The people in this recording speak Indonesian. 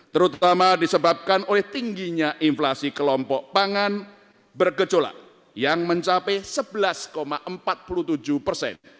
terutama disebabkan oleh tingginya inflasi kelompok pangan bergejolak yang mencapai sebelas empat puluh tujuh persen